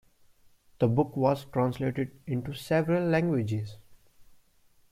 The book was translated into several languages.